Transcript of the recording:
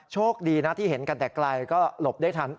โชคดีนะที่เห็นกันแต่ไกลก็หลบได้ทัน